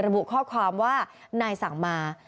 ระบุข้อความว่านายสั่งมา